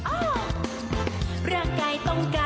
โอ้โฮสนุก